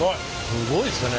すごいですね。